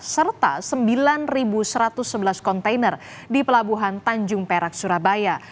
serta sembilan satu ratus sebelas kontainer di pelabuhan tanjung perak surabaya